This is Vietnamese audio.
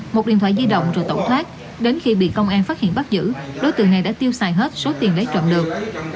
một điện thoại di động rồi tẩu thoát đến khi bị công an phát hiện bắt giữ đối tượng này đã tiêu xài hết số tiền lấy trộm được